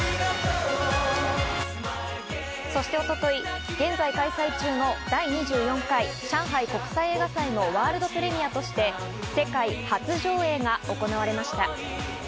そして一昨日、現在開催中の第２４回上海国際映画祭のワールドプレミアとして、世界初上演が行われました。